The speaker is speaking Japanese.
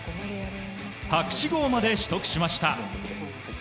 博士号まで取得しました。